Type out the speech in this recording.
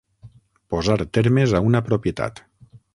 Posar termes a una propietat.